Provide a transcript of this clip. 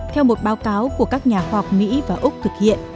theo một báo cáo của các nhà khoa học mỹ và úc thực hiện